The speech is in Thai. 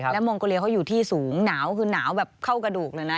มองโกเลียเขาอยู่ที่สูงหนาวคือหนาวแบบเข้ากระดูกเลยนะ